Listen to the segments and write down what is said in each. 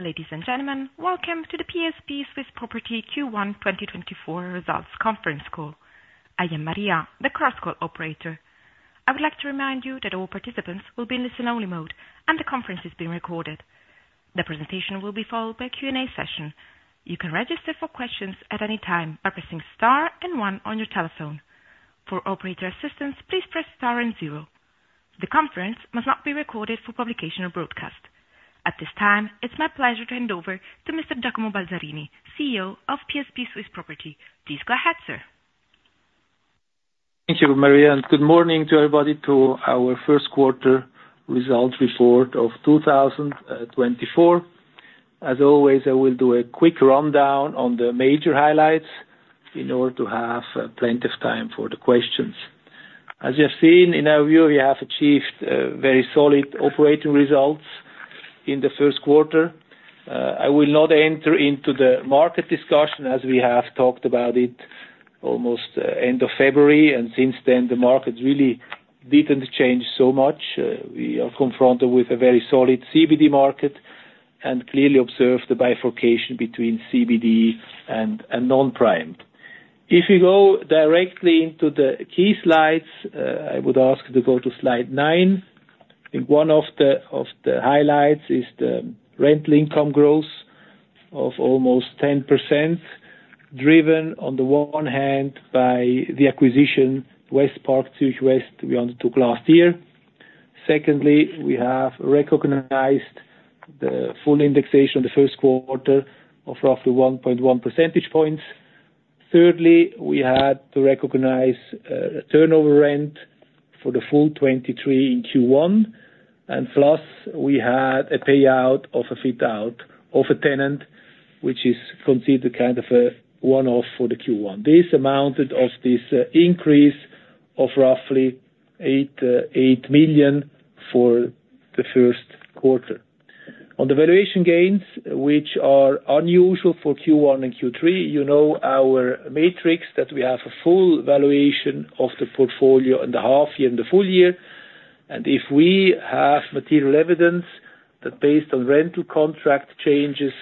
Ladies and gentlemen, welcome to the PSP Swiss Property Q1 2024 Results conference call. I am Maria, the Chorus Call operator. I would like to remind you that all participants will be in listen-only mode, and the conference is being recorded. The presentation will be followed by a Q&A session. You can register for questions at any time by pressing star and one on your telephone. For operator assistance, please press star and zero. The conference must not be recorded for publication or broadcast. At this time, it's my pleasure to hand over to Mr. Giacomo Balzarini, CEO of PSP Swiss Property. Please go ahead, sir. Thank you, Maria, and good morning to everybody, to our first quarter results report of 2024. As always, I will do a quick rundown on the major highlights in order to have plenty of time for the questions. As you have seen in our view, we have achieved very solid operating results in the first quarter. I will not enter into the market discussion as we have talked about it almost end of February, and since then, the market really didn't change so much. We are confronted with a very solid CBD market and clearly observe the bifurcation between CBD and non-primed. If you go directly into the key slides, I would ask you to go to slide 9. I think one of the highlights is the rental income growth of almost 10%, driven on the one hand by the acquisition, Westpark, we undertook last year. Secondly, we have recognized the full indexation in the first quarter of roughly 1.1 percentage points. Thirdly, we had to recognize a turnover rent for the full 2023 in Q1, and plus, we had a payout of a fit out of a tenant, which is considered kind of a one-off for the Q1. This amounted to this increase of roughly 8 million for the first quarter. On the valuation gains, which are unusual for Q1 and Q3, you know, our practice, that we have a full valuation of the portfolio in the half-year and the full year. And if we have material evidence that based on rental contract changes,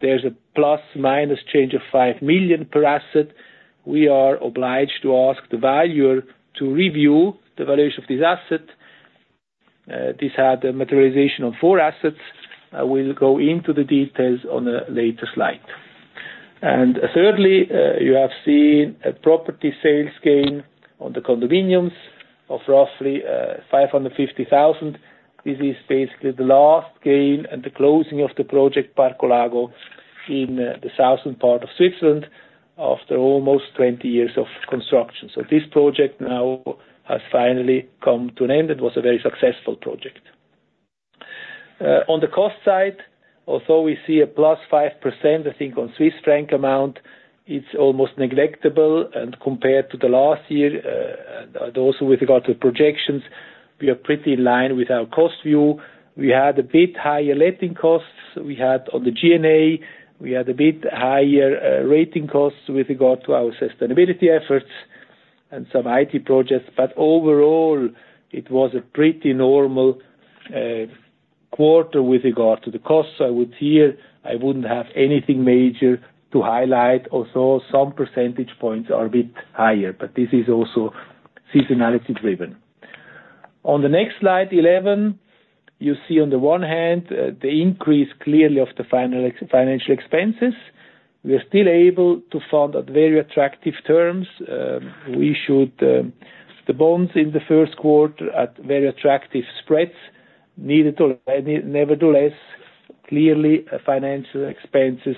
there's a ±5 million change per asset, we are obliged to ask the valuer to review the valuation of this asset. This had a materialization of four assets. I will go into the details on a later slide. And thirdly, you have seen a property sales gain on the condominiums of roughly 550,000. This is basically the last gain and the closing of the project, Parco Lago, in the southern part of Switzerland after almost 20 years of construction. So this project now has finally come to an end. It was a very successful project. On the cost side, although we see a +5%, I think on Swiss franc amount, it's almost negligible, and compared to the last year, also with regard to projections, we are pretty in line with our cost view. We had a bit higher letting costs. We had on the G&A, we had a bit higher, rating costs with regard to our sustainability efforts and some IT projects, but overall, it was a pretty normal quarter with regard to the costs. I would here, I wouldn't have anything major to highlight, although some percentage points are a bit higher, but this is also seasonality driven. On the next slide 11, you see on the one hand, the increase clearly of the financial expenses. We are still able to fund at very attractive terms. We issued the bonds in the first quarter at very attractive spreads. Nevertheless, clearly, financial expenses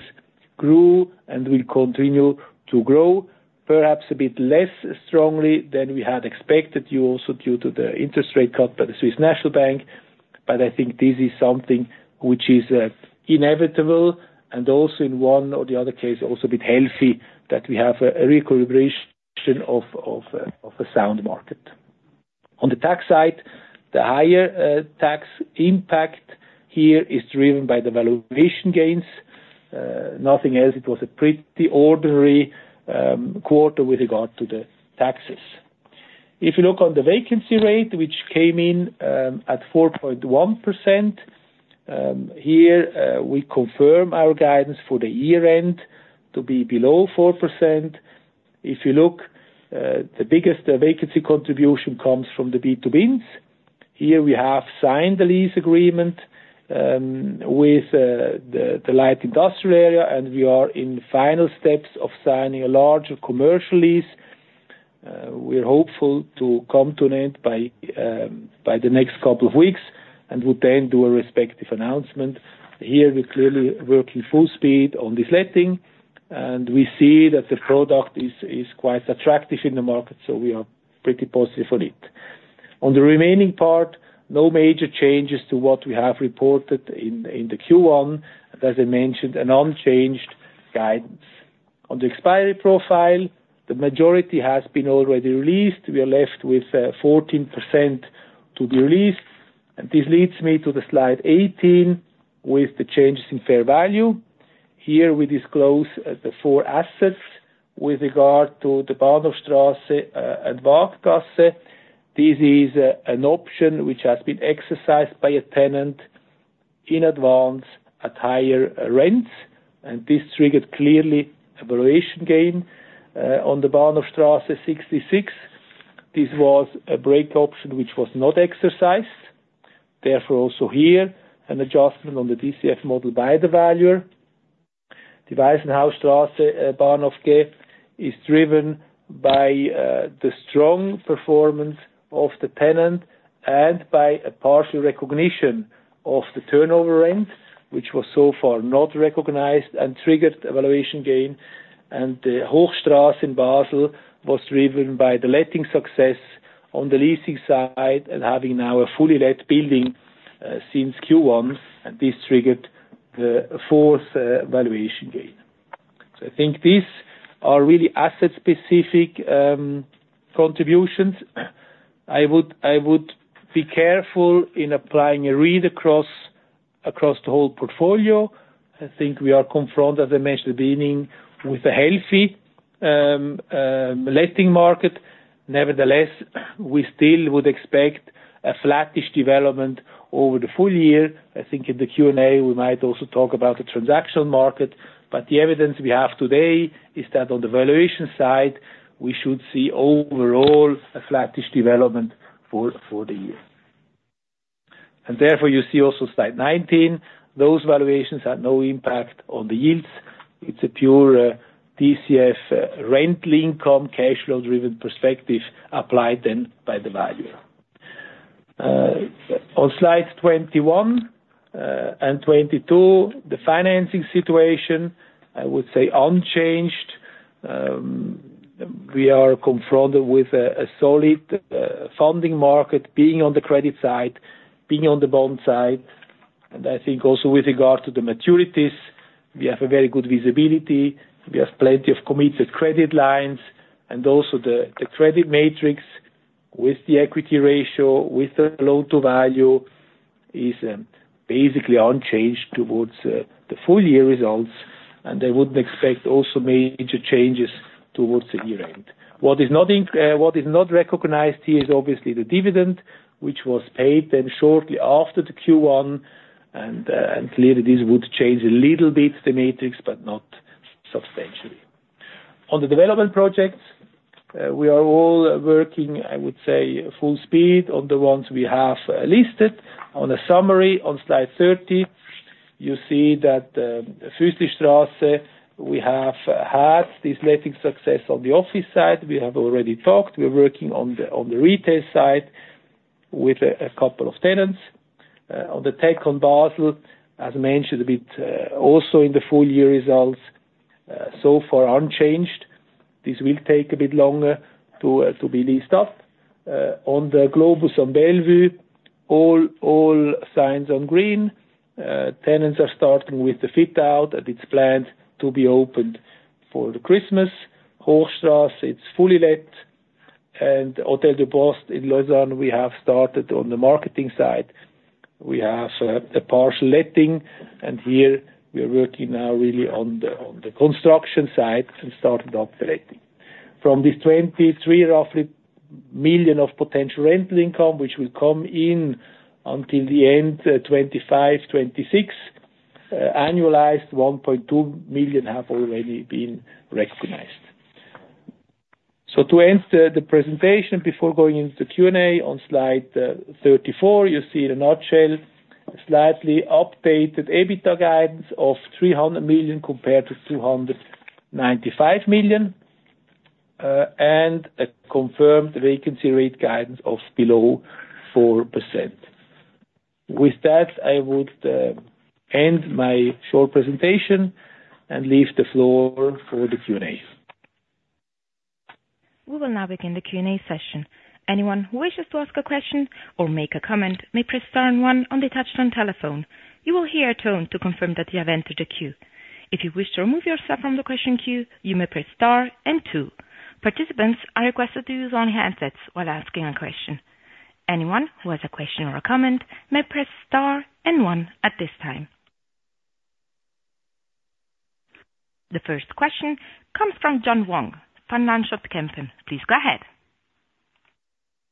grew and will continue to grow, perhaps a bit less strongly than we had expected, you also due to the interest rate cut by the Swiss National Bank. But I think this is something which is inevitable and also in one or the other case, also a bit healthy, that we have a re-calibration of a sound market. On the tax side, the higher tax impact here is driven by the valuation gains, nothing else. It was a pretty ordinary quarter with regard to the taxes. If you look on the vacancy rate, which came in at 4.1%, here we confirm our guidance for the year end to be below 4%. If you look, the biggest vacancy contribution comes from the B2Bs. Here we have signed the lease agreement with the light industrial area, and we are in final steps of signing a larger commercial lease. We're hopeful to come to an end by the next couple of weeks and would then do a respective announcement. Here, we're clearly working full speed on this letting, and we see that the product is quite attractive in the market, so we are pretty positive on it. On the remaining part, no major changes to what we have reported in the Q1. As I mentioned, an unchanged guidance. On the expiry profile, the majority has been already released. We are left with fourteen percent to be released. And this leads me to the slide 18, with the changes in fair value. Here we disclose the 4 assets with regard to the Bahnhofstrasse and Waaghaus. This is an option which has been exercised by a tenant in advance at higher rents, and this triggered clearly a valuation gain on the Bahnhofstrasse 66. This was a break option, which was not exercised. Therefore, also here, an adjustment on the DCF model by the valuer. The Waisenhausstrasse Bahnhofquai is driven by the strong performance of the tenant and by a partial recognition of the turnover rent, which was so far not recognized and triggered a valuation gain, and the Hochstrasse in Basel was driven by the letting success on the leasing side and having now a fully let building since Q1, and this triggered the fourth valuation gain. So I think these are really asset-specific contributions. I would be careful in applying a read across the whole portfolio. I think we are confronted, as I mentioned at the beginning, with a healthy letting market. Nevertheless, we still would expect a flattish development over the full year. I think in the Q&A, we might also talk about the transaction market, but the evidence we have today is that on the valuation side, we should see overall a flattish development for the year. And therefore, you see also slide 19, those valuations had no impact on the yields. It's a pure DCF rent link income, cash flow driven perspective applied then by the valuer. On slide 21 and 22, the financing situation, I would say unchanged. We are confronted with a solid funding market, being on the credit side, being on the bond side, and I think also with regard to the maturities, we have a very good visibility. We have plenty of committed credit lines, and also the credit matrix with the equity ratio, with the loan-to-value, is basically unchanged towards the full year results, and I wouldn't expect also major changes towards the year end. What is not recognized here is obviously the dividend, which was paid then shortly after the Q1, and clearly this would change a little bit the matrix, but not substantially. On the development projects, we are all working, I would say, full speed on the ones we have listed. On the summary on slide 30, you see that in Förrlibuckstrasse, we have had this letting success on the office side. We have already talked, we're working on the retail side with a couple of tenants. On The B2Bs, as mentioned, a bit also in the full year results, so far unchanged. This will take a bit longer to be leased up. On the Globus on Bellevue, all signs on green. Tenants are starting with the fit out, and it's planned to be opened for the Christmas. Hochstrasse, it's fully let, and Hôtel des Postes in Lausanne, we have started on the marketing side. We have a partial letting, and here we are working now really on the construction side to start operating. From these 23, roughly, million of potential rental income, which will come in until the end, 2025, 2026, annualized 1.2 million have already been recognized. So to end the, the presentation before going into the Q&A, on slide 34, you see in a nutshell, slightly updated EBITDA guidance of 300 million compared to 295 million, and a confirmed vacancy rate guidance of below 4%. With that, I would end my short presentation and leave the floor for the Q&A. We will now begin the Q&A session. Anyone who wishes to ask a question or make a comment, may press star and one on the touchtone telephone. You will hear a tone to confirm that you have entered the queue. If you wish to remove yourself from the question queue, you may press star and two. Participants are requested to use only handsets while asking a question. Anyone who has a question or a comment may press star and one at this time. The first question comes from John Vuong, Van Lanschot Kempen. Please go ahead.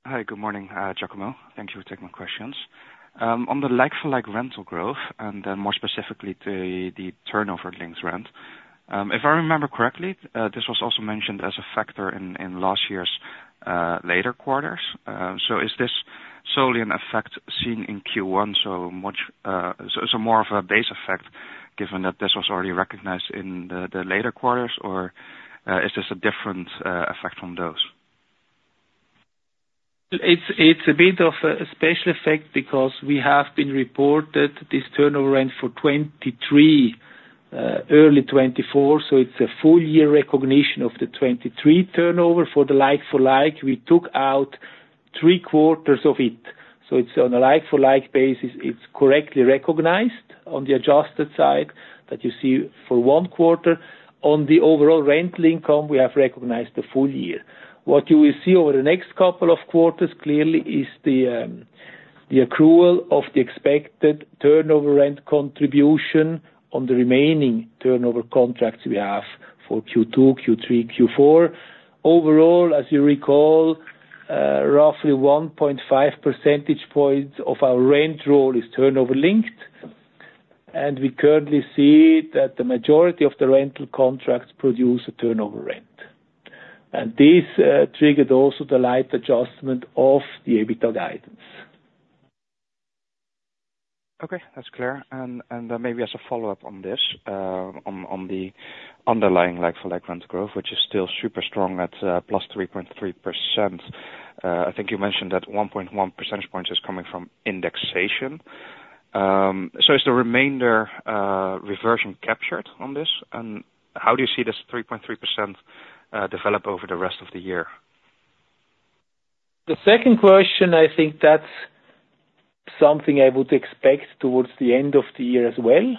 Hi, good morning, Giacomo. Thank you for taking my questions. On the like-for-like rental growth, and then more specifically, the turnover rent, if I remember correctly, this was also mentioned as a factor in last year's later quarters. So is this solely an effect seen in Q1, so more of a base effect given that this was already recognized in the later quarters? Or is this a different effect from those? It's a bit of a special effect because we have reported this turnover rent for 2023, early 2024, so it's a full year recognition of the 2023 turnover. For the like-for-like, we took out three quarters of it. So it's on a like-for-like basis, it's correctly recognized on the adjusted side that you see for one quarter. On the overall rental income, we have recognized the full year. What you will see over the next couple of quarters, clearly, is the accrual of the expected turnover rent contribution on the remaining turnover contracts we have for Q2, Q3, Q4. Overall, as you recall, roughly 1.5 percentage points of our rent roll is turnover linked, and we currently see that the majority of the rental contracts produce a turnover rent. And this triggered also the slight adjustment of the EBITDA guidance. Okay, that's clear. And maybe as a follow-up on this, on the underlying like-for-like rent growth, which is still super strong at +3.3%. I think you mentioned that 1.1 percentage points is coming from indexation. So is the remainder reversion captured on this? And how do you see this 3.3% develop over the rest of the year? The second question, I think that's something I would expect toward the end of the year as well.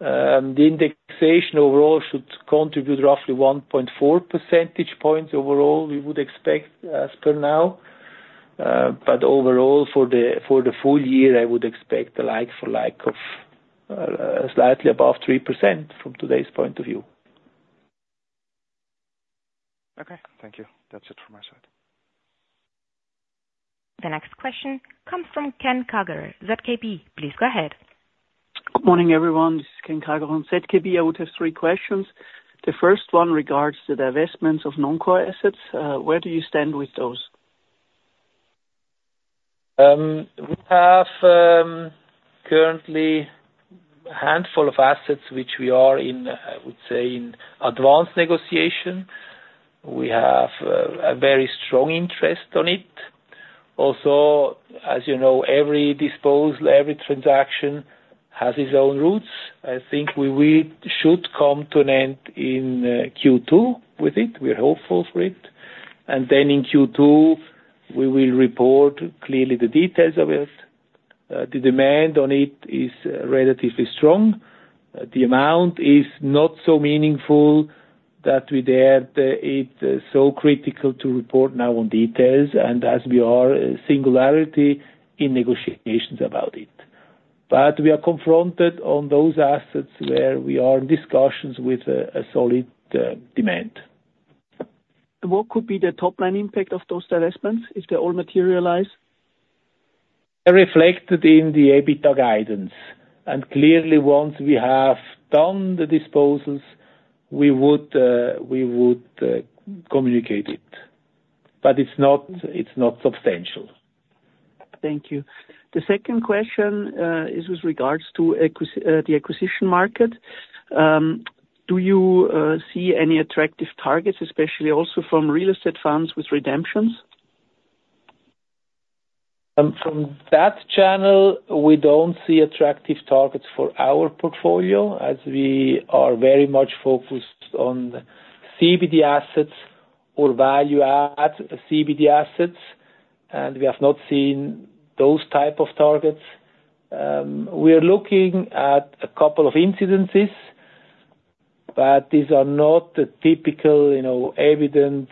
The indexation overall should contribute roughly 1.4 percentage points overall, we would expect as per now. But overall, for the full year, I would expect the like for like of slightly above 3% from today's point of view. Okay. Thank you. That's it from my side. The next question comes from Ken Kagerer, ZKB. Please go ahead. Good morning, everyone. This is Ken Kagerer on ZKB. I would have three questions. The first one regards to the divestments of non-core assets. Where do you stand with those? We have currently a handful of assets which we are in, I would say, in advanced negotiation. We have a very strong interest on it. Also, as you know, every disposal, every transaction has its own routes. I think we, we should come to an end in Q2 with it. We're hopeful for it. And then in Q2, we will report clearly the details of it. The demand on it is relatively strong. The amount is not so meaningful that we dared, it's so critical to report now on details, and as we are a singularity in negotiations about it. But we are confronted on those assets where we are in discussions with a solid demand. What could be the top-line impact of those divestments if they all materialize? Reflected in the EBITDA guidance. And clearly, once we have done the disposals, we would, we would, communicate it, but it's not, it's not substantial. Thank you. The second question is with regards to the acquisition market. Do you see any attractive targets, especially also from real estate funds with redemptions? From that channel, we don't see attractive targets for our portfolio, as we are very much focused on CBD assets or value add CBD assets, and we have not seen those type of targets. We are looking at a couple of incidences, but these are not the typical, you know, evident,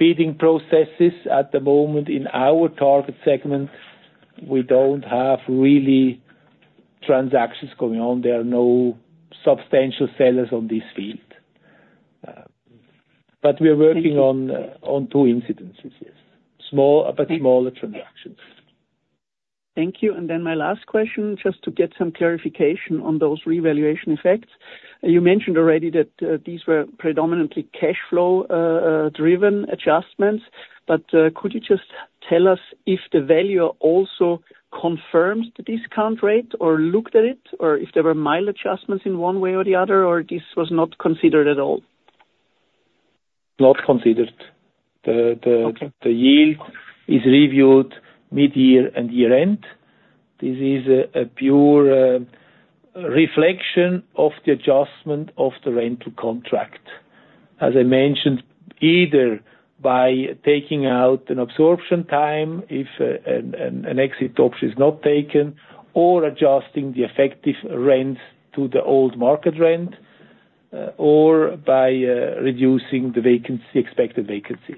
bidding processes at the moment. In our target segment, we don't have really transactions going on. There are no substantial sellers on this field. But we are working on— Thank you. On two incidences, yes. Small, but smaller transactions. Thank you. And then my last question, just to get some clarification on those revaluation effects. You mentioned already that these were predominantly cash flow driven adjustments, but could you just tell us if the valuer also confirms the discount rate or looked at it, or if there were mild adjustments in one way or the other, or this was not considered at all? Not considered. Okay. The yield is reviewed mid-year and year-end. This is a pure reflection of the adjustment of the rental contract. As I mentioned, either by taking out an absorption time, if an exit option is not taken, or adjusting the effective rent to the old market rent, or by reducing the vacancy, expected vacancy.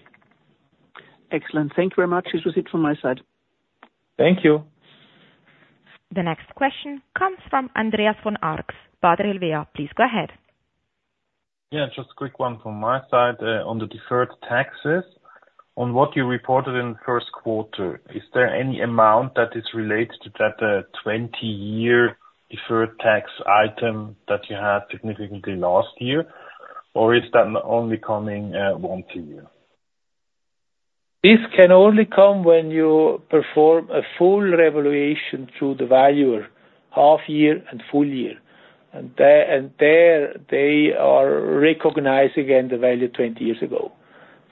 Excellent. Thank you very much. This was it from my side. Thank you. The next question comes from Andreas von Arx, Baader Helvea. Please go ahead. Yeah, just a quick one from my side, on the deferred taxes. On what you reported in first quarter, is there any amount that is related to that, 20-year deferred tax item that you had significantly last year? Or is that only coming, once a year? This can only come when you perform a full revaluation through the valuer, half year and full year. And there, and there, they are recognizing again the value 20 years ago.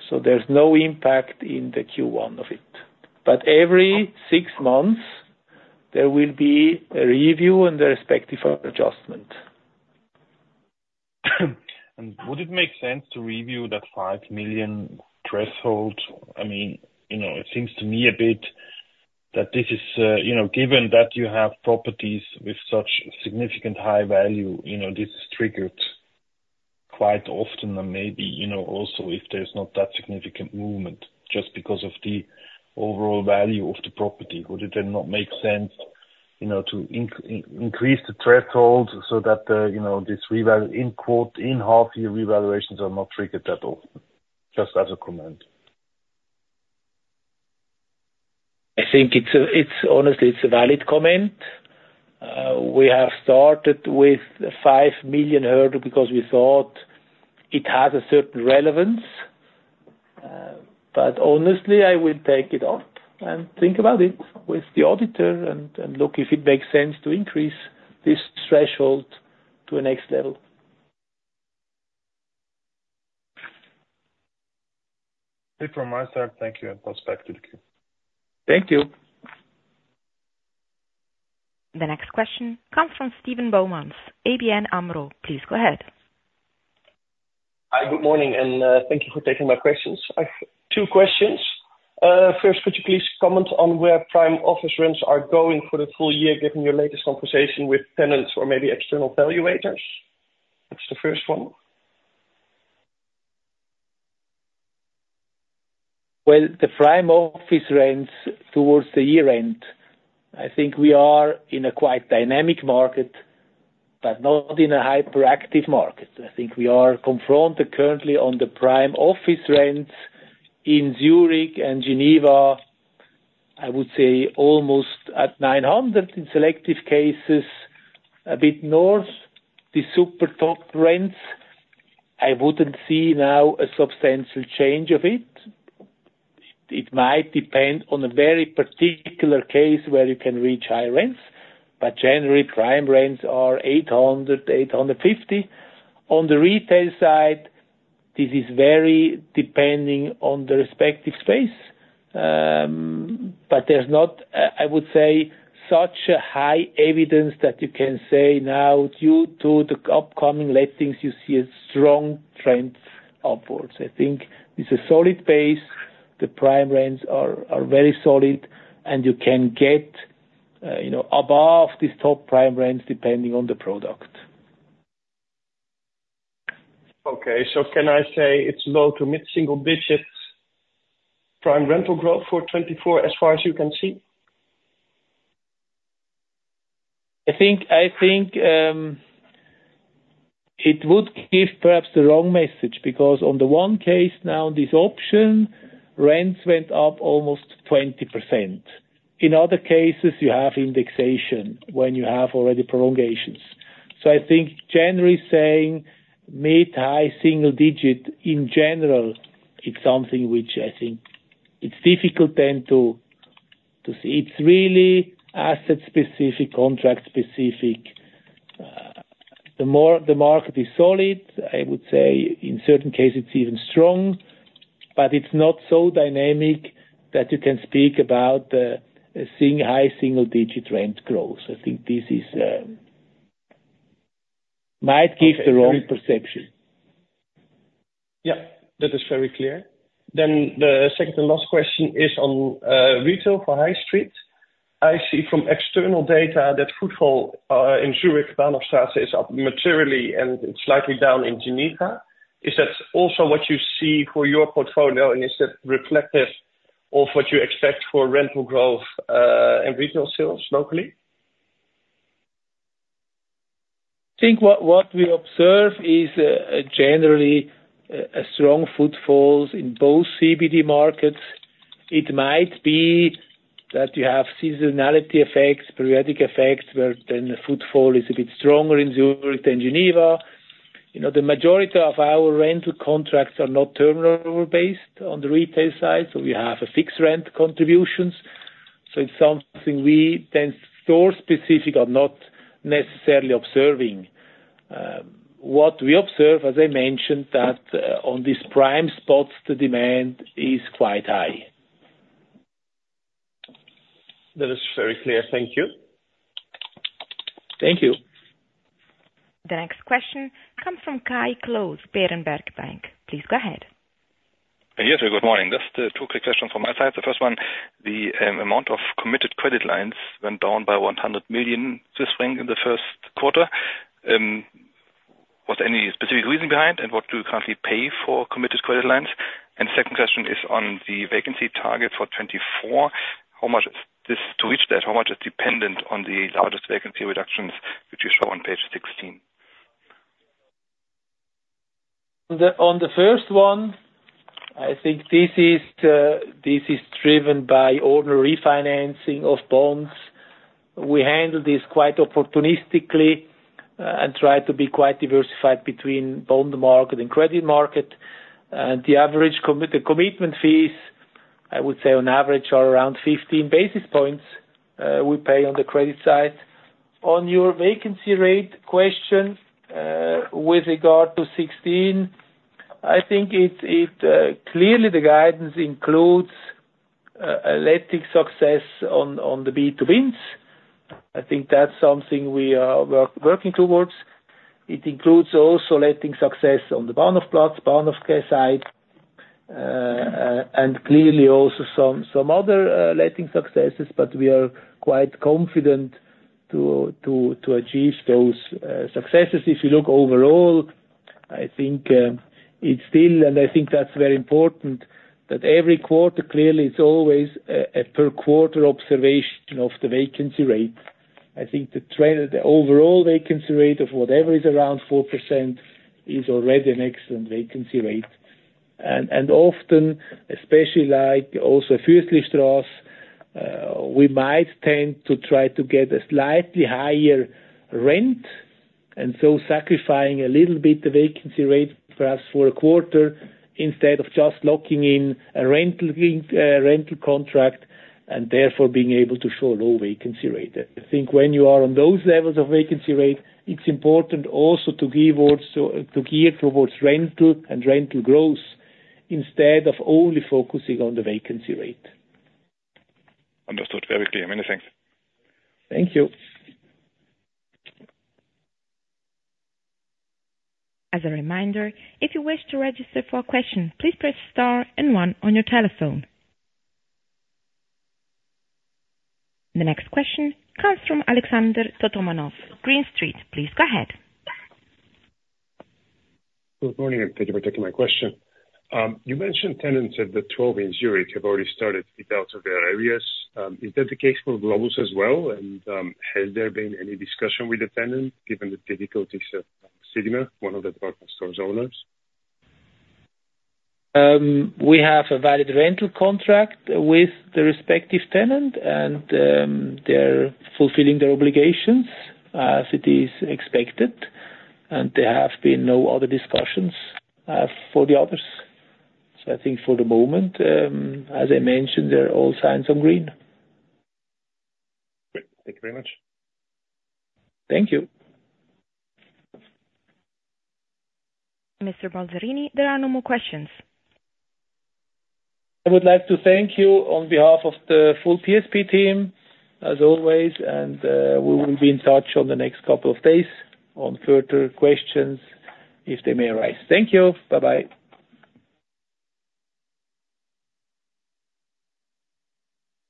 So there's no impact in the Q1 of it. But every 6 months, there will be a review and the respective adjustment. Would it make sense to review that 5 million threshold? I mean, you know, it seems to me a bit that this is, you know, given that you have properties with such significant high value, you know, this is triggered quite often and maybe, you know, also if there's not that significant movement, just because of the overall value of the property, would it then not make sense, you know, to increase the threshold so that, you know, this reval in quote, in half year revaluations are not triggered at all? Just as a comment. I think it's a, it's honestly, it's a valid comment. We have started with 5 million hurdle because we thought it had a certain relevance. But honestly, I would take it on and think about it with the auditor and look if it makes sense to increase this threshold to the next level. Okay, from my side, thank you, and back to the queue. Thank you. The next question comes from Joost Beaumont, ABN AMRO. Please go ahead. Hi, good morning, and, thank you for taking my questions. I have two questions. First, could you please comment on where prime office rents are going for the full year, given your latest conversation with tenants or maybe external valuators? That's the first one. Well, the prime office rents towards the year-end, I think we are in a quite dynamic market, but not in a hyperactive market. I think we are confronted currently on the prime office rents in Zurich and Geneva, I would say almost at 900, in selective cases, a bit north. The super top rents, I wouldn't see now a substantial change of it. It might depend on a very particular case where you can reach high rents, but generally, prime rents are 800-850. On the retail side, this is very depending on the respective space, but there's not, I would say, such a high evidence that you can say now, due to the upcoming lettings, you see a strong trend upwards. I think it's a solid base. The prime rents are very solid, and you can get, you know, above these top prime rents depending on the product. Okay. So can I say it's low to mid-single digits, prime rental growth for 2024, as far as you can see? I think it would give perhaps the wrong message, because on the one case now, this option, rents went up almost 20%. In other cases, you have indexation when you have already prolongations. So I think generally saying mid-high single digit, in general, it's something which I think it's difficult then to see. It's really asset specific, contract specific. The more the market is solid, I would say in certain cases it's even strong, but it's not so dynamic that you can speak about seeing high single digit rent growth. I think this might give the wrong perception. Yeah, that is very clear. Then the second and last question is on retail for high street. I see from external data that footfall in Zurich, Bahnhofstrasse, is up materially and slightly down in Geneva. Is that also what you see for your portfolio, and is it reflective of what you expect for rental growth and regional sales locally? I think what we observe is generally a strong footfalls in both CBD markets. It might be that you have seasonality effects, periodic effects, where then the footfall is a bit stronger in Zurich than Geneva. You know, the majority of our rental contracts are not turnover based on the retail side, so we have a fixed rent contributions. So it's something we then store specific are not necessarily observing. What we observe, as I mentioned, that on these prime spots, the demand is quite high. That is very clear. Thank you. Thank you. The next question comes from Kai Klose, Berenberg. Please go ahead. Yes, good morning. Just, 2 quick questions from my side. The first one, the amount of committed credit lines went down by 100 million Swiss francs this spring in the first quarter. Was there any specific reason behind, and what do we currently pay for committed credit lines? And second question is on the vacancy target for 2024, how much is this—to reach that, how much is dependent on the largest vacancy reductions, which you show on page 16? On the first one, I think this is driven by ordinary refinancing of bonds. We handle this quite opportunistically and try to be quite diversified between bond market and credit market. The average commitment fees, I would say on average are around 15 basis points we pay on the credit side. On your vacancy rate question, with regard to 16, I think clearly the guidance includes a letting success on the B2 wins. I think that's something we are working towards. It includes also letting success on the Bahnhofplatz, Bahnhof side. And clearly also some other letting successes, but we are quite confident to achieve those successes. If you look overall, I think, it's still, and I think that's very important, that every quarter clearly is always a per quarter observation of the vacancy rate. I think the trend, the overall vacancy rate of whatever is around 4% is already an excellent vacancy rate. And often, especially like also Förrlibuckstrasse, we might tend to try to get a slightly higher rent, and so sacrificing a little bit of vacancy rate perhaps for a quarter, instead of just locking in a rental lease, rental contract, and therefore being able to show a low vacancy rate. I think when you are on those levels of vacancy rate, it's important also to give also, to gear towards rental and rental growth instead of only focusing on the vacancy rate. Understood, very clear. Many thanks. Thank you. As a reminder, if you wish to register for a question, please press star and one on your telephone. The next question comes from Alexander Totomanov, Green Street. Please go ahead. Good morning, and thank you for taking my question. You mentioned tenants at The Twelve in Zürich have already started to get out of their areas. Is that the case for Globus as well? And, has there been any discussion with the tenant given the difficulties at Signa, one of the department store's owners? We have a valid rental contract with the respective tenant, and they're fulfilling their obligations as it is expected, and there have been no other discussions for the others. So I think for the moment, as I mentioned, there are all signs on green. Great. Thank you very much. Thank you. Mr. Balzarini, there are no more questions. I would like to thank you on behalf of the full PSP team, as always, and we will be in touch on the next couple of days on further questions if they may arise. Thank you. Bye-bye.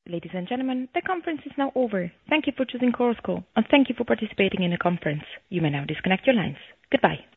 Ladies and gentlemen, the conference is now over. Thank you for choosing Chorus Call, and thank you for participating in the conference. You may now disconnect your lines. Goodbye.